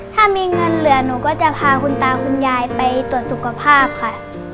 ถ้ามีเงินเหลือหนูก็จะพาคุณตาคุณยายไปตรวจสุขภาพค่ะ